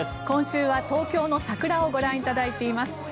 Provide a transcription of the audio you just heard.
今週は東京の桜をご覧いただいています。